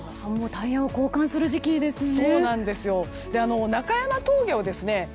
タイヤを交換する時期ですよね。